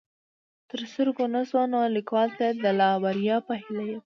تر سترګو نه شوه نو ليکوال ته يې د لا بريا په هيله يم